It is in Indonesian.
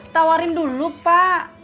tawarin dulu pak